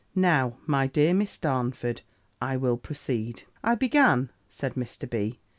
Now, my dear Miss Darnford, I will proceed. "I began," said Mr. B.